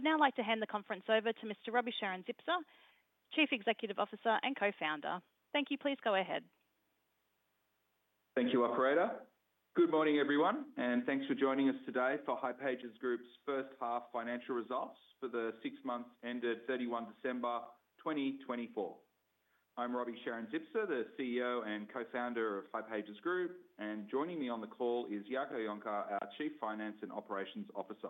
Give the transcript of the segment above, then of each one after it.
I would now like to hand the conference over to Mr. Roby Sharon-Zipser, Chief Executive Officer and Co-founder. Thank you. Please go ahead. Thank you, Operator. Good morning, everyone, and thanks for joining us today for hipages Group's first half financial results for the six months ended 31 December 2024. I'm Roby Sharon-Zipser, the CEO and Co-founder of hipages Group, and joining me on the call is Jaco Jonker, our Chief Finance and Operations Officer.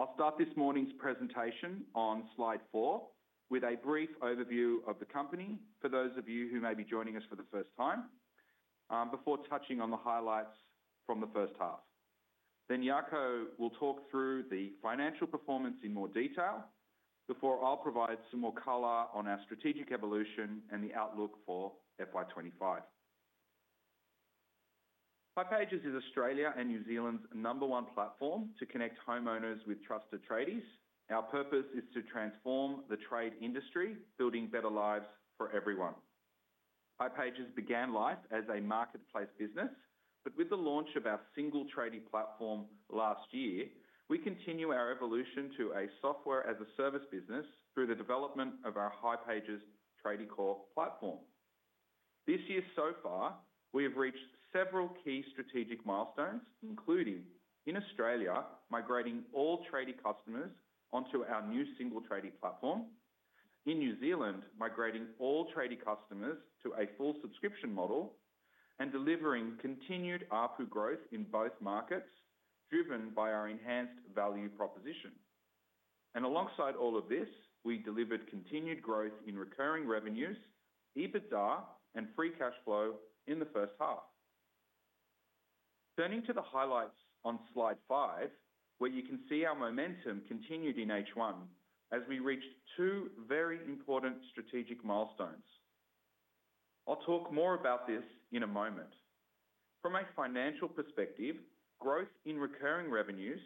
I'll start this morning's presentation on slide four with a brief overview of the company for those of you who may be joining us for the first time, before touching on the highlights from the first half. Jaco will talk through the financial performance in more detail before I'll provide some more color on our strategic evolution and the outlook for FY 2025. hipages is Australia and New Zealand's number one platform to connect homeowners with trusted tradies. Our purpose is to transform the trade industry, building better lives for everyone. hipages began life as a marketplace business, but with the launch of our Single Tradie Platform last year, we continue our evolution to a software as a service business through the development of our hipages tradiecore platform. This year, so far, we have reached several key strategic milestones, including in Australia migrating all tradie customers onto our new Single Tradie Platform, in New Zealand migrating all tradie customers to a full subscription model, and delivering continued ARPU growth in both markets driven by our enhanced value proposition. Alongside all of this, we delivered continued growth in recurring revenues, EBITDA, and free cash flow in the first half. Turning to the highlights on slide five, where you can see our momentum continued in H1 as we reached two very important strategic milestones. I'll talk more about this in a moment. From a financial perspective, growth in recurring revenues,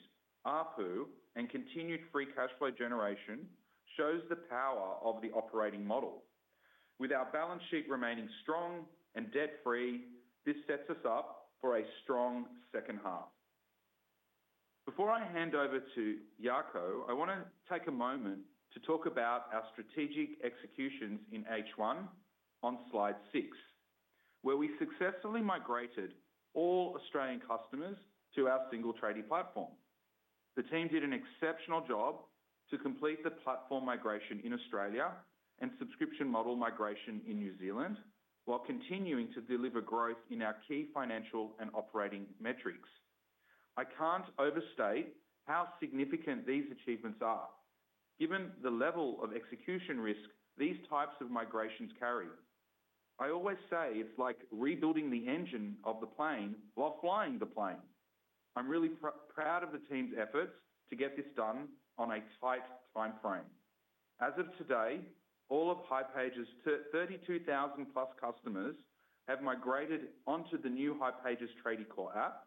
ARPU, and continued free cash flow generation shows the power of the operating model. With our balance sheet remaining strong and debt-free, this sets us up for a strong second half. Before I hand over to Jaco, I wanna take a moment to talk about our strategic executions in H1 on slide six, where we successfully migrated all Australian customers to our Single Tradie Platform. The team did an exceptional job to complete the platform migration in Australia and subscription model migration in New Zealand while continuing to deliver growth in our key financial and operating metrics. I can't overstate how significant these achievements are given the level of execution risk these types of migrations carry. I always say it's like rebuilding the engine of the plane while flying the plane. I'm really proud of the team's efforts to get this done on a tight timeframe. As of today, all of hipages' 32,000+ customers have migrated onto the new hipages tradiecore app,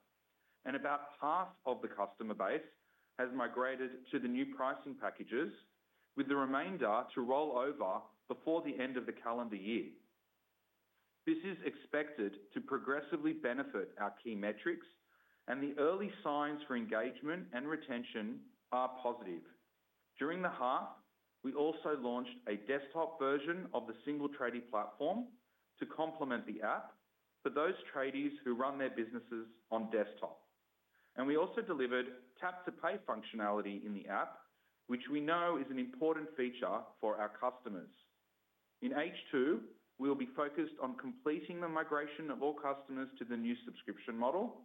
and about half of the customer base has migrated to the new pricing packages, with the remainder to roll over before the end of the calendar year. This is expected to progressively benefit our key metrics, and the early signs for engagement and retention are positive. During the half, we also launched a desktop version of the Single Tradie Platform to complement the app for those tradies who run their businesses on desktop. We also delivered Tap to Pay functionality in the app, which we know is an important feature for our customers. In H2, we'll be focused on completing the migration of all customers to the new subscription model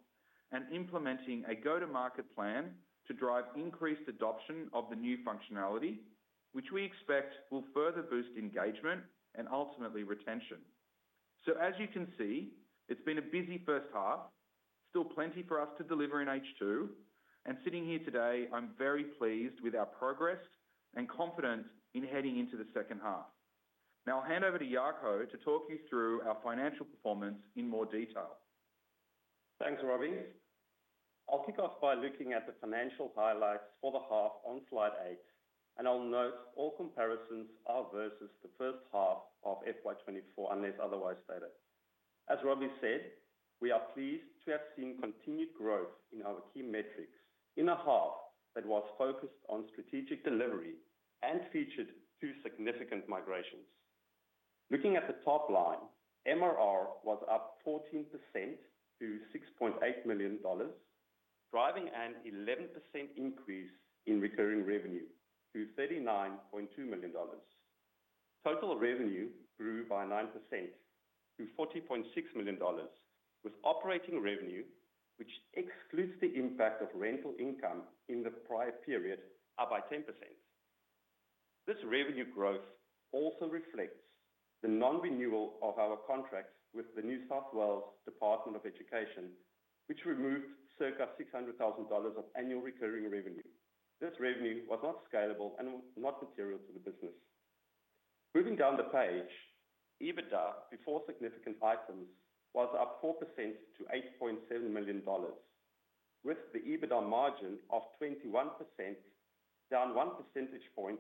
and implementing a go-to-market plan to drive increased adoption of the new functionality, which we expect will further boost engagement and ultimately retention. As you can see, it's been a busy first half, still plenty for us to deliver in H2. Sitting here today, I'm very pleased with our progress and confident in heading into the second half. Now I'll hand over to Jaco to talk you through our financial performance in more detail. Thanks, Roby. I'll kick off by looking at the financial highlights for the half on slide eight, and I'll note all comparisons are versus the first half of FY 2024 unless otherwise stated. As Roby said, we are pleased to have seen continued growth in our key metrics in a half that was focused on strategic delivery and featured two significant migrations. Looking at the top line, MRR was up 14% to 6.8 million dollars, driving an 11% increase in recurring revenue to 39.2 million dollars. Total revenue grew by 9% to 40.6 million dollars, with operating revenue, which excludes the impact of rental income in the prior period, up by 10%. This revenue growth also reflects the non-renewal of our contracts with the New South Wales Department of Education, which removed circa 600,000 dollars of annual recurring revenue. This revenue was not scalable and not material to the business. Moving down the page, EBITDA before significant items was up 4% to 8.7 million dollars, with the EBITDA margin of 21%, down one percentage point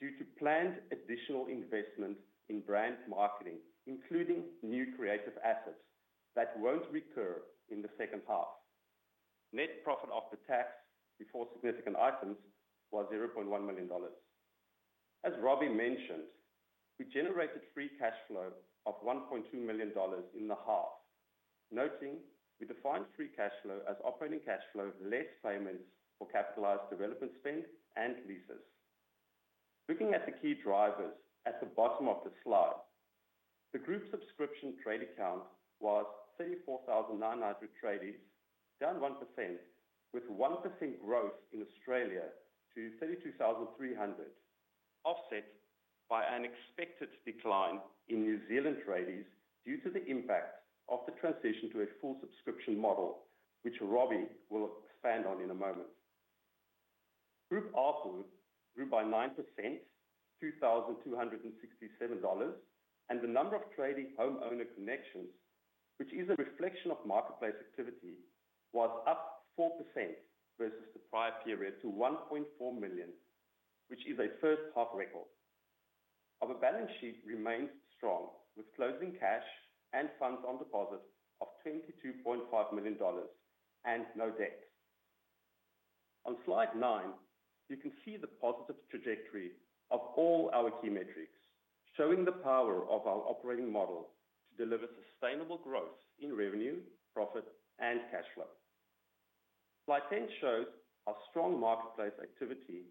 due to planned additional investment in brand marketing, including new creative assets that will not recur in the second half. Net profit after tax before significant items was 0.1 million dollars. As Roby mentioned, we generated free cash flow of 1.2 million dollars in the half, noting we define free cash flow as operating cash flow, less payments for capitalized development spend and leases. Looking at the key drivers at the bottom of the slide, the group subscription tradie count was 34,900 tradies, down 1%, with 1% growth in Australia to 32,300, offset by an expected decline in New Zealand tradies due to the impact of the transition to a full subscription model, which Roby will expand on in a moment. Group ARPU grew by 9% to 2,267 dollars, and the number of tradie homeowner connections, which is a reflection of marketplace activity, was up 4% versus the prior period to 1.4 million, which is a first half record. Our balance sheet remains strong, with closing cash and funds on deposit of 22.5 million dollars and no debt. On slide nine, you can see the positive trajectory of all our key metrics, showing the power of our operating model to deliver sustainable growth in revenue, profit, and cash flow. Slide 10 shows our strong marketplace activity,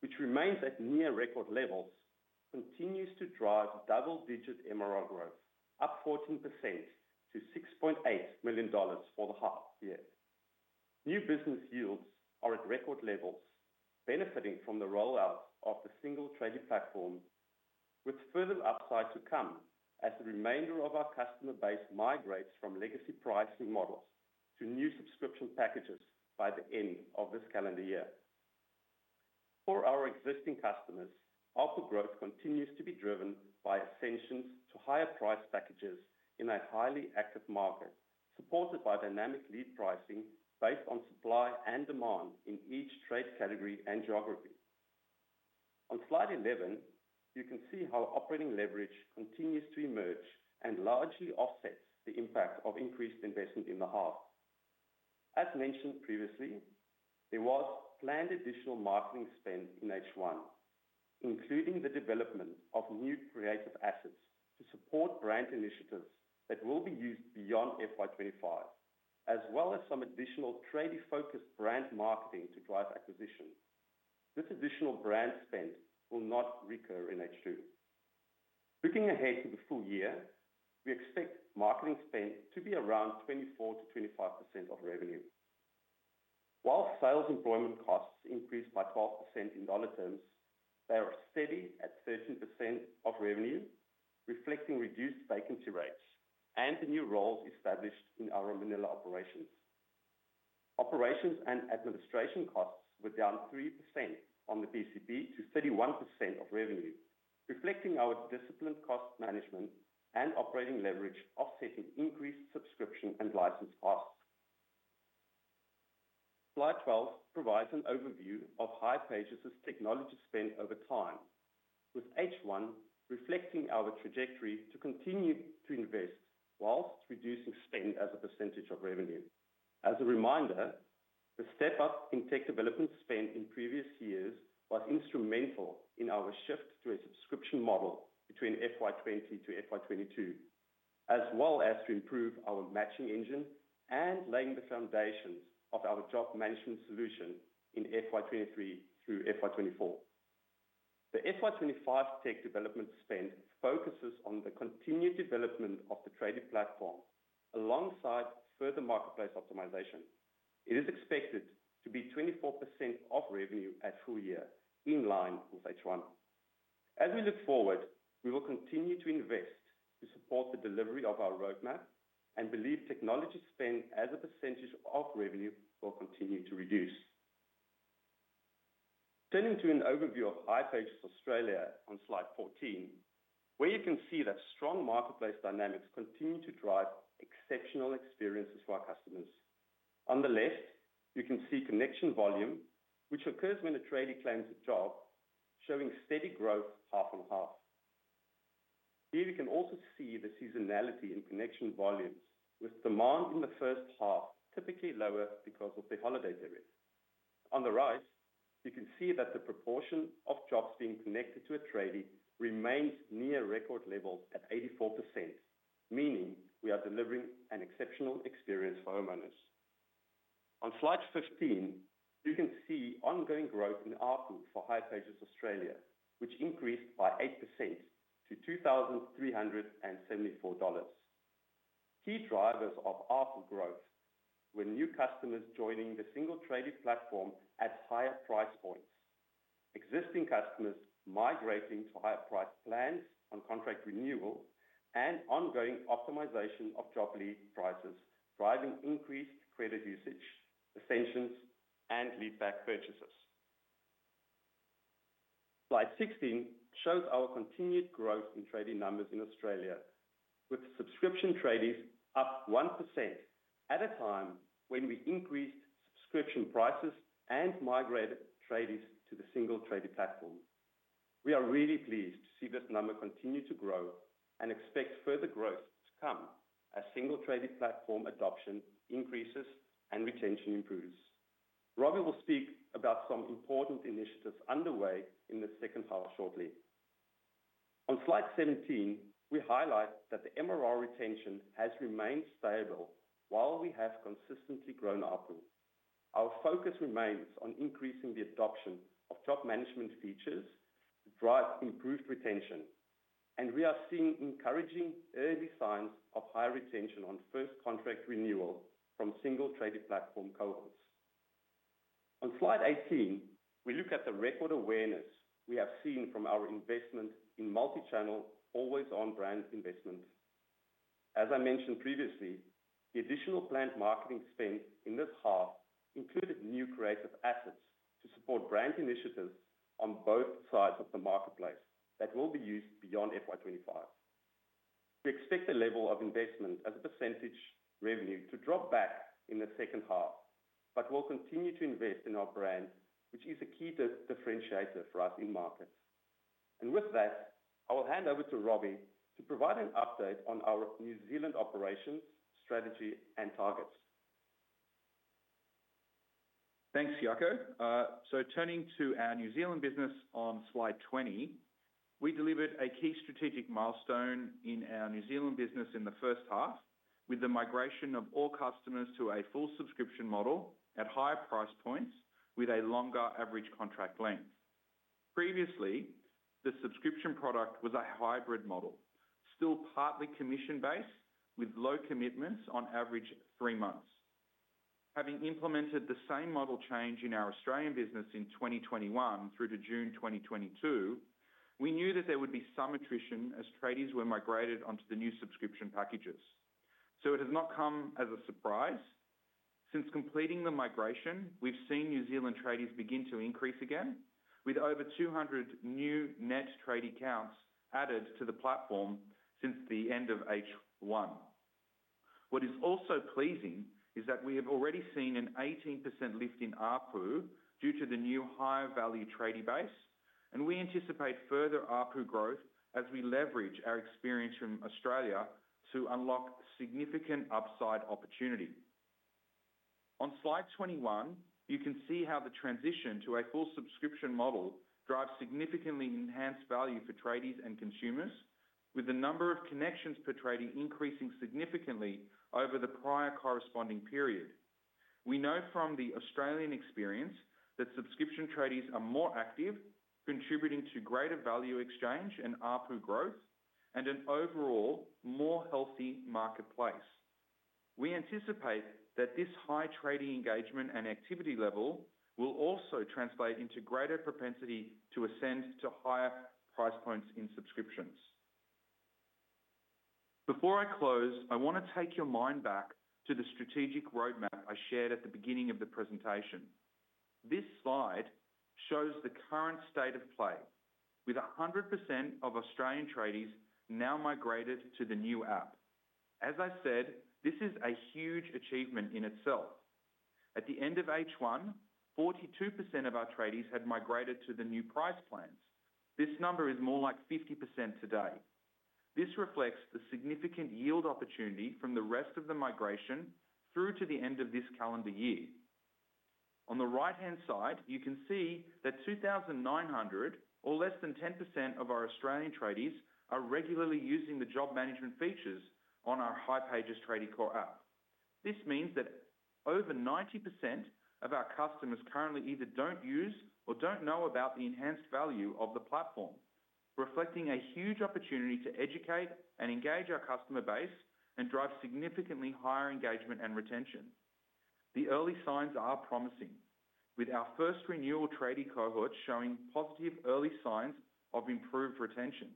which remains at near record levels, continues to drive double-digit MRR growth, up 14% to 6.8 million dollars for the half year. New business yields are at record levels, benefiting from the rollout of the Single Tradie Platform, with further upside to come as the remainder of our customer base migrates from legacy pricing models to new subscription packages by the end of this calendar year. For our existing customers, ARPU growth continues to be driven by ascensions to higher price packages in a highly active market, supported by dynamic lead pricing based on supply and demand in each trade category and geography. On slide 11, you can see how operating leverage continues to emerge and largely offsets the impact of increased investment in the half. As mentioned previously, there was planned additional marketing spend in H1, including the development of new creative assets to support brand initiatives that will be used beyond FY 2025, as well as some additional tradie-focused brand marketing to drive acquisition. This additional brand spend will not recur in H2. Looking ahead to the full year, we expect marketing spend to be around 24%-25% of revenue. While sales employment costs increased by 12% in dollar terms, they are steady at 13% of revenue, reflecting reduced vacancy rates and the new roles established in our Manila operations. Operations and administration costs were down 3% on the PCP to 31% of revenue, reflecting our disciplined cost management and operating leverage, offsetting increased subscription and license costs. Slide 12 provides an overview of hipages' technology spend over time, with H1 reflecting our trajectory to continue to invest whilst reducing spend as a percentage of revenue. As a reminder, the step-up in tech development spend in previous years was instrumental in our shift to a subscription model between FY 2020 to FY 2022, as well as to improve our matching engine and laying the foundations of our job management solution in FY 2023 through FY 2024. The FY 2025 tech development spend focuses on the continued development of the tradie platform alongside further marketplace optimization. It is expected to be 24% of revenue at full year, in line with H1. As we look forward, we will continue to invest to support the delivery of our roadmap and believe technology spend as a percentage of revenue will continue to reduce. Turning to an overview of hipages Australia on slide 14, where you can see that strong marketplace dynamics continue to drive exceptional experiences for our customers. On the left, you can see connection volume, which occurs when a tradie claims a job, showing steady growth half on half. Here you can also see the seasonality in connection volumes, with demand in the first half typically lower because of the holiday period. On the right, you can see that the proportion of jobs being connected to a tradie remains near record levels at 84%, meaning we are delivering an exceptional experience for homeowners. On slide 15, you can see ongoing growth in ARPU for hipages Australia, which increased by 8% to 2,374 dollars. Key drivers of ARPU growth were new customers joining the Single Tradie Platform at higher price points, existing customers migrating to higher price plans on contract renewal, and ongoing optimization of job lead prices, driving increased credit usage, ascensions, and lead pack purchases. Slide 16 shows our continued growth in tradie numbers in Australia, with subscription tradies up 1% at a time when we increased subscription prices and migrated tradies to the Single Tradie Platform. We are really pleased to see this number continue to grow and expect further growth to come as Single Tradie Platform adoption increases and retention improves. Roby will speak about some important initiatives underway in the second half shortly. On slide 17, we highlight that the MRR retention has remained stable while we have consistently grown ARPU. Our focus remains on increasing the adoption of job management features to drive improved retention, and we are seeing encouraging early signs of high retention on first contract renewal from Single Tradie Platform cohorts. On slide 18, we look at the record awareness we have seen from our investment in multi-channel, always-on brand investment. As I mentioned previously, the additional planned marketing spend in this half included new creative assets to support brand initiatives on both sides of the marketplace that will be used beyond FY 2025. We expect the level of investment as a percentage of revenue to drop back in the second half, but we'll continue to invest in our brand, which is a key differentiator for us in markets. With that, I will hand over to Roby to provide an update on our New Zealand operations, strategy, and targets. Thanks, Jaco. Turning to our New Zealand business on slide 20, we delivered a key strategic milestone in our New Zealand business in the first half with the migration of all customers to a full subscription model at higher price points with a longer average contract length. Previously, the subscription product was a hybrid model, still partly commission-based with low commitments on average three months. Having implemented the same model change in our Australian business in 2021 through to June 2022, we knew that there would be some attrition as tradies were migrated onto the new subscription packages. It has not come as a surprise. Since completing the migration, we've seen New Zealand tradies begin to increase again, with over 200 new net tradie counts added to the platform since the end of H1. What is also pleasing is that we have already seen an 18% lift in ARPU due to the new higher value tradie base, and we anticipate further ARPU growth as we leverage our experience from Australia to unlock significant upside opportunity. On slide 21, you can see how the transition to a full subscription model drives significantly enhanced value for tradies and consumers, with the number of connections per tradie increasing significantly over the prior corresponding period. We know from the Australian experience that subscription tradies are more active, contributing to greater value exchange and ARPU growth, and an overall more healthy marketplace. We anticipate that this high tradie engagement and activity level will also translate into greater propensity to ascend to higher price points in subscriptions. Before I close, I want to take your mind back to the strategic roadmap I shared at the beginning of the presentation. This slide shows the current state of play, with 100% of Australian tradies now migrated to the new app. As I said, this is a huge achievement in itself. At the end of H1, 42% of our tradies had migrated to the new price plans. This number is more like 50% today. This reflects the significant yield opportunity from the rest of the migration through to the end of this calendar year. On the right-hand side, you can see that 2,900, or less than 10% of our Australian tradies, are regularly using the job management features on our hipages tradiecore app. This means that over 90% of our customers currently either do not use or do not know about the enhanced value of the platform, reflecting a huge opportunity to educate and engage our customer base and drive significantly higher engagement and retention. The early signs are promising, with our first renewal tradie cohorts showing positive early signs of improved retention.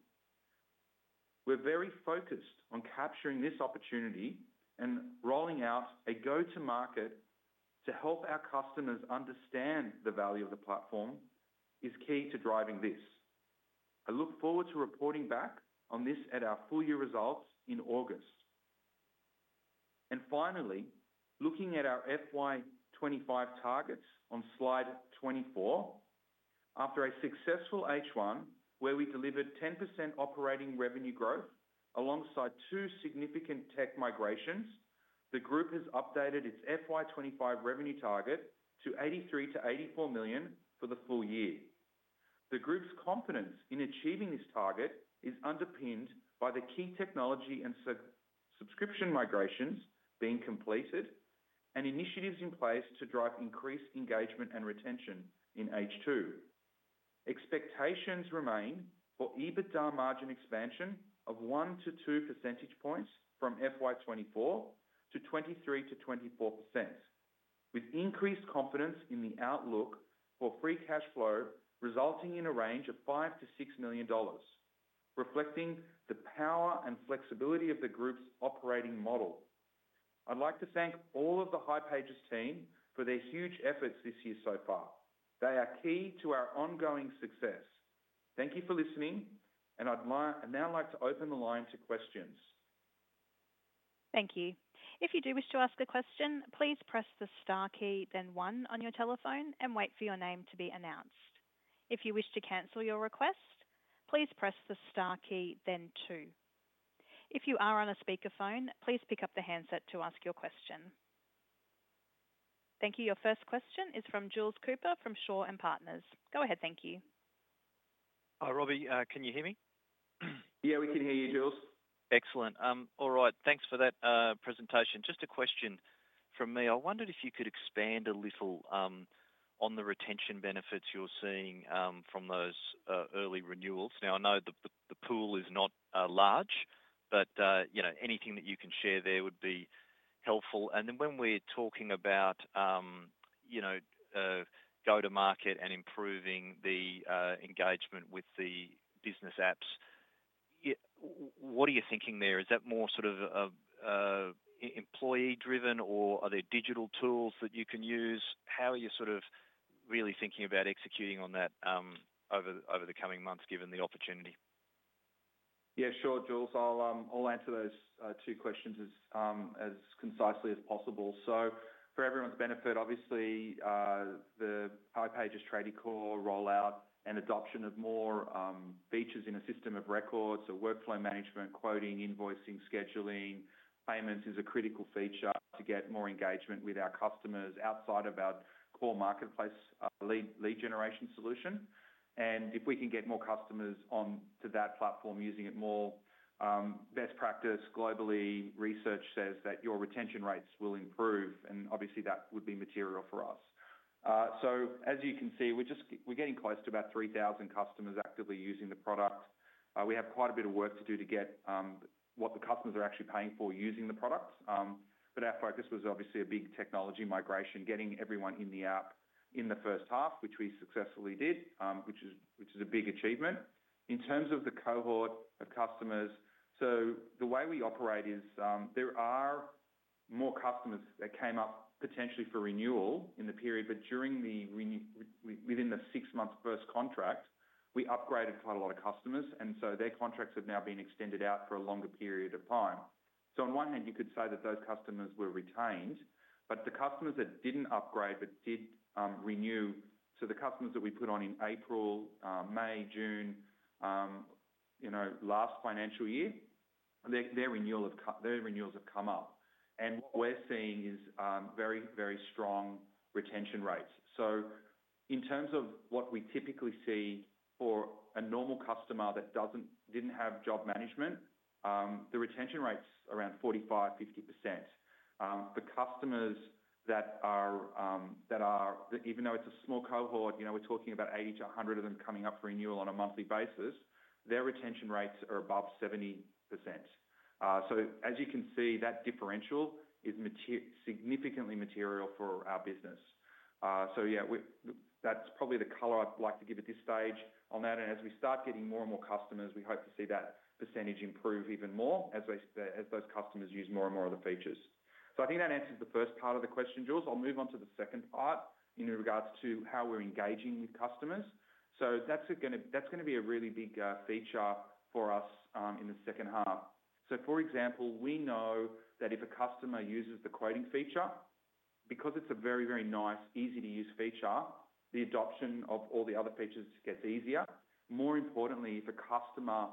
We're very focused on capturing this opportunity and rolling out a go-to-market to help our customers understand the value of the platform is key to driving this. I look forward to reporting back on this at our full year results in August. Finally, looking at our FY 2025 targets on slide 24, after a successful H1 where we delivered 10% operating revenue growth alongside two significant tech migrations, the group has updated its FY 2025 revenue target to 83 million-84 million for the full year. The group's confidence in achieving this target is underpinned by the key technology and subscription migrations being completed and initiatives in place to drive increased engagement and retention in H2. Expectations remain for EBITDA margin expansion of 1-2 percentage points from FY 2024 to 23%-24%, with increased confidence in the outlook for free cash flow resulting in a range of 5 million-6 million dollars, reflecting the power and flexibility of the group's operating model. I'd like to thank all of the hipages team for their huge efforts this year so far. They are key to our ongoing success. Thank you for listening, and I'd now like to open the line to questions. Thank you. If you do wish to ask a question, please press the star key, then one on your telephone, and wait for your name to be announced. If you wish to cancel your request, please press the star key, then two. If you are on a speakerphone, please pick up the handset to ask your question. Thank you. Your first question is from Jules Cooper from Shaw and Partners. Go ahead. Thank you. Hi, Roby. Can you hear me? Yeah, we can hear you, Jules. Excellent. All right. Thanks for that presentation. Just a question from me. I wondered if you could expand a little on the retention benefits you're seeing from those early renewals. Now, I know the pool is not large, but anything that you can share there would be helpful. When we're talking about go-to-market and improving the engagement with the business apps, what are you thinking there? Is that more sort of employee-driven, or are there digital tools that you can use? How are you sort of really thinking about executing on that over the coming months, given the opportunity? Yeah, sure, Jules. I'll answer those two questions as concisely as possible. For everyone's benefit, obviously, the hipages tradiecore rollout and adoption of more features in a system of records, so workflow management, quoting, invoicing, scheduling, payments is a critical feature to get more engagement with our customers outside of our core marketplace lead generation solution. If we can get more customers onto that platform using it more, best practice globally research says that your retention rates will improve, and obviously, that would be material for us. As you can see, we're getting close to about 3,000 customers actively using the product. We have quite a bit of work to do to get what the customers are actually paying for using the product. Our focus was obviously a big technology migration, getting everyone in the app in the first half, which we successfully did, which is a big achievement. In terms of the cohort of customers, the way we operate is there are more customers that came up potentially for renewal in the period, but within the six-month first contract, we upgraded quite a lot of customers, and so their contracts have now been extended out for a longer period of time. On one hand, you could say that those customers were retained, but the customers that did not upgrade but did renew, the customers that we put on in April, May, June, last financial year, their renewals have come up. What we are seeing is very, very strong retention rates. In terms of what we typically see for a normal customer that did not have job management, the retention rate is around 45%-50%. For customers that are, even though it is a small cohort, we are talking about 80-100 of them coming up for renewal on a monthly basis, their retention rates are above 70%. As you can see, that differential is significantly material for our business. That is probably the color I would like to give at this stage on that. As we start getting more and more customers, we hope to see that percentage improve even more as those customers use more and more of the features. I think that answers the first part of the question, Jules. I will move on to the second part in regards to how we are engaging with customers. That is going to be a really big feature for us in the second half. For example, we know that if a customer uses the quoting feature, because it is a very, very nice, easy-to-use feature, the adoption of all the other features gets easier. More importantly, if a customer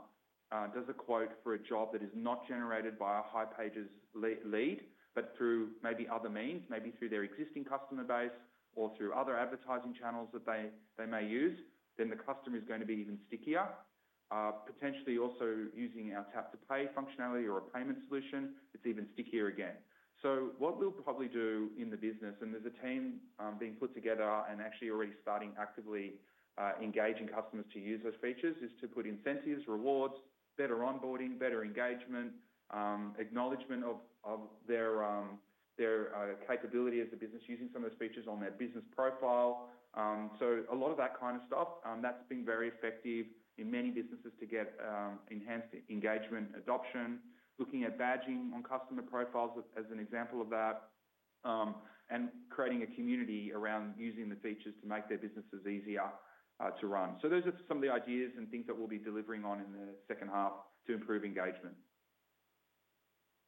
does a quote for a job that is not generated by a hipages lead but through maybe other means, maybe through their existing customer base or through other advertising channels that they may use, then the customer is going to be even stickier. Potentially also using our Tap to Pay functionality or a payment solution, it is even stickier again. What we'll probably do in the business, and there's a team being put together and actually already starting actively engaging customers to use those features, is to put incentives, rewards, better onboarding, better engagement, acknowledgement of their capability as a business using some of those features on their business profile. A lot of that kind of stuff, that's been very effective in many businesses to get enhanced engagement adoption, looking at badging on customer profiles as an example of that, and creating a community around using the features to make their businesses easier to run. Those are some of the ideas and things that we'll be delivering on in the second half to improve engagement.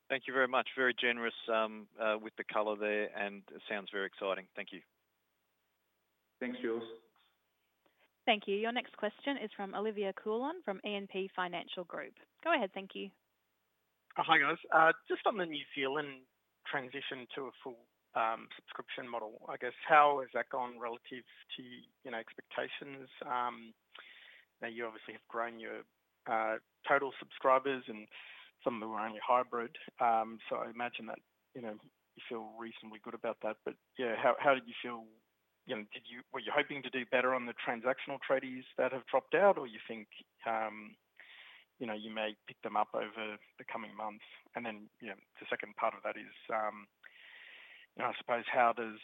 Thank you very much. Very generous with the color there, and it sounds very exciting. Thank you. Thanks, Jules. Thank you. Your next question is from Olivier Coulon from E&P Financial Group. Go ahead. Thank you. Hi, guys. Just on the New Zealand transition to a full subscription model, I guess, how has that gone relative to expectations? Now, you obviously have grown your total subscribers and some of them are only hybrid, so I imagine that you feel reasonably good about that. Yeah, how did you feel? Were you hoping to do better on the transactional tradies that have dropped out, or do you think you may pick them up over the coming months? The second part of that is, I suppose, how does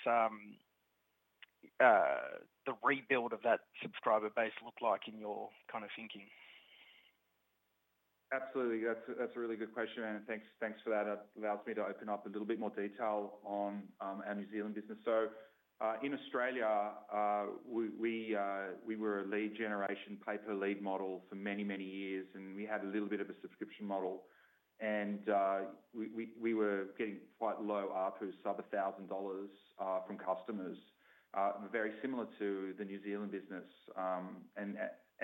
the rebuild of that subscriber base look like in your kind of thinking? Absolutely. That's a really good question, and thanks for that. It allows me to open up a little bit more detail on our New Zealand business. In Australia, we were a lead generation paper lead model for many, many years, and we had a little bit of a subscription model. We were getting quite low ARPUs, sub 1,000 dollars from customers, very similar to the New Zealand business.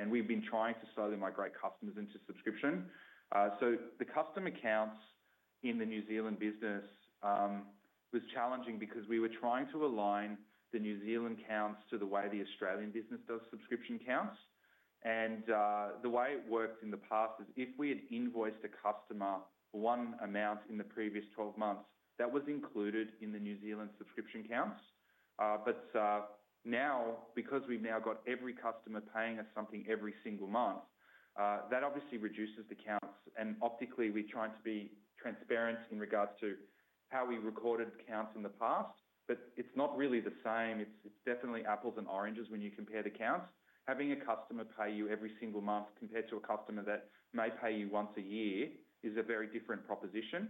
We've been trying to slowly migrate customers into subscription. The customer counts in the New Zealand business were challenging because we were trying to align the New Zealand counts to the way the Australian business does subscription counts. The way it worked in the past is if we had invoiced a customer one amount in the previous 12 months, that was included in the New Zealand subscription counts. Now, because we've now got every customer paying us something every single month, that obviously reduces the counts. Optically, we're trying to be transparent in regards to how we recorded counts in the past, but it's not really the same. It's definitely apples and oranges when you compare the counts. Having a customer pay you every single month compared to a customer that may pay you once a year is a very different proposition.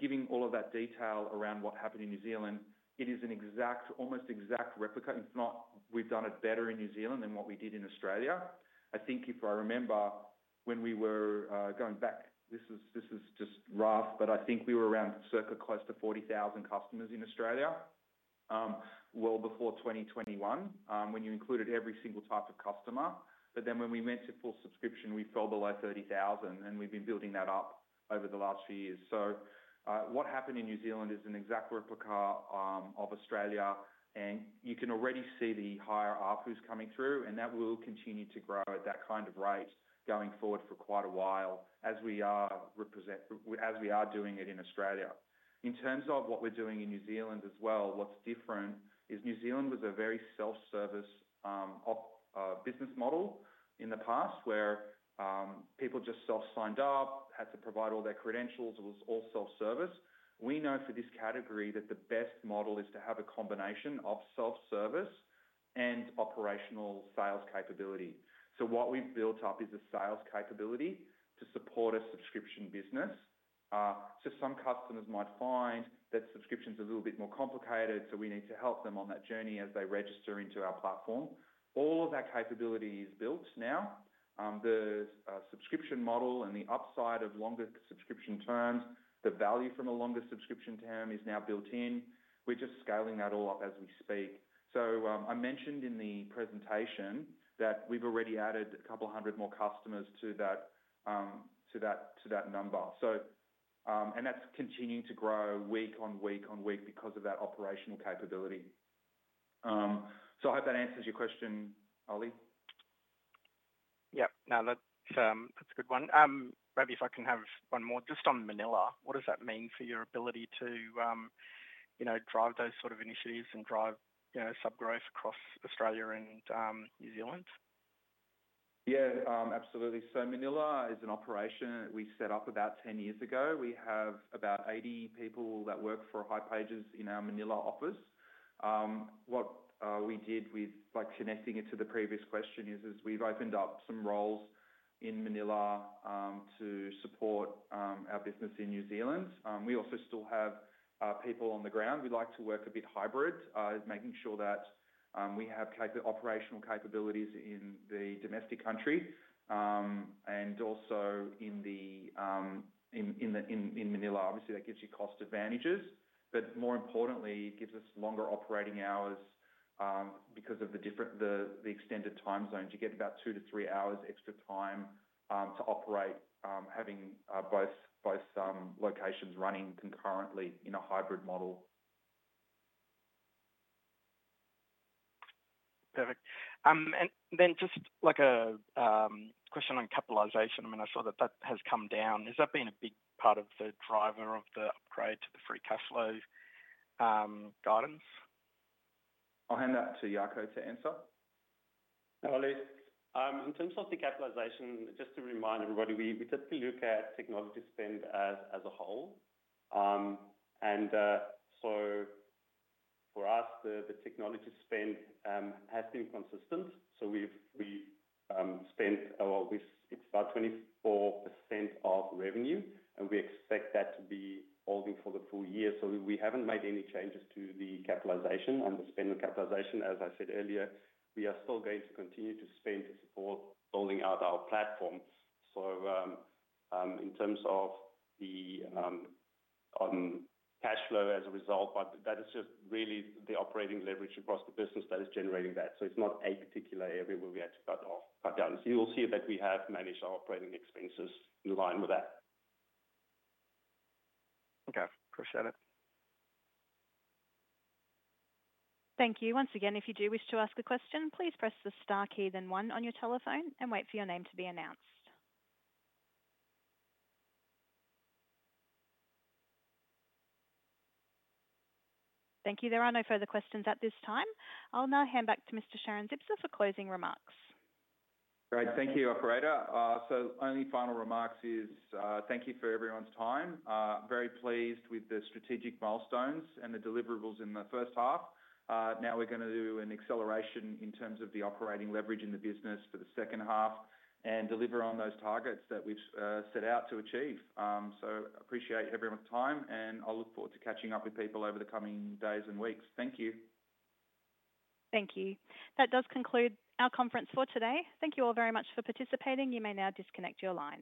Giving all of that detail around what happened in New Zealand, it is an exact, almost exact replica. It's not we've done it better in New Zealand than what we did in Australia. I think if I remember when we were going back, this is just rough, but I think we were around circa close to 40,000 customers in Australia well before 2021 when you included every single type of customer. When we went to full subscription, we fell below 30,000, and we've been building that up over the last few years. What happened in New Zealand is an exact replica of Australia, and you can already see the higher ARPUs coming through, and that will continue to grow at that kind of rate going forward for quite a while as we are doing it in Australia. In terms of what we're doing in New Zealand as well, what's different is New Zealand was a very self-service business model in the past where people just self-signed up, had to provide all their credentials. It was all self-service. We know for this category that the best model is to have a combination of self-service and operational sales capability. What we've built up is a sales capability to support a subscription business. Some customers might find that subscription's a little bit more complicated, so we need to help them on that journey as they register into our platform. All of that capability is built now. The subscription model and the upside of longer subscription terms, the value from a longer subscription term is now built in. We're just scaling that all up as we speak. I mentioned in the presentation that we've already added a couple hundred more customers to that number. That's continuing to grow week on week on week because of that operational capability. I hope that answers your question, Ollie. Yeah. No, that's a good one. Maybe if I can have one more. Just on Manila, what does that mean for your ability to drive those sort of initiatives and drive sub-growth across Australia and New Zealand? Yeah, absolutely. Manila is an operation we set up about 10 years ago. We have about 80 people that work for hipages in our Manila office. What we did with connecting it to the previous question is we've opened up some roles in Manila to support our business in New Zealand. We also still have people on the ground. We'd like to work a bit hybrid, making sure that we have operational capabilities in the domestic country and also in Manila. Obviously, that gives you cost advantages, but more importantly, it gives us longer operating hours because of the extended time zones. You get about two to three hours extra time to operate having both locations running concurrently in a hybrid model. Perfect. I mean, just a question on capitalization. I saw that that has come down. Has that been a big part of the driver of the upgrade to the free cash flow guidance? I'll hand that to Jaco to answer. Hi, Ollie. In terms of the capitalization, just to remind everybody, we typically look at technology spend as a whole. For us, the technology spend has been consistent. We have spent about 24% of revenue, and we expect that to be holding for the full year. We have not made any changes to the capitalization and the spend and capitalization. As I said earlier, we are still going to continue to spend to support rolling out our platform. In terms of the cash flow as a result, that is just really the operating leverage across the business that is generating that. It is not a particular area where we had to cut down. You will see that we have managed our operating expenses in line with that. Okay. Appreciate it. Thank you. Once again, if you do wish to ask a question, please press the star key, then one on your telephone, and wait for your name to be announced. Thank you. There are no further questions at this time. I'll now hand back to Mr. Sharon-Zipser for closing remarks. Great. Thank you, operator. Only final remarks is thank you for everyone's time. Very pleased with the strategic milestones and the deliverables in the first half. Now we're going to do an acceleration in terms of the operating leverage in the business for the second half and deliver on those targets that we've set out to achieve. Appreciate everyone's time, and I'll look forward to catching up with people over the coming days and weeks. Thank you. Thank you. That does conclude our conference for today. Thank you all very much for participating. You may now disconnect your line.